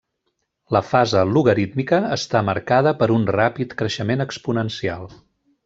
La fase logarítmica està marcada per un ràpid creixement exponencial.